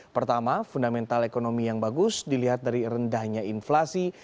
pertama fundamental ekonomi yang bagus dilihat dari rendahnya inflasi